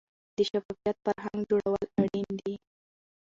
د شفافیت فرهنګ جوړول اړین دي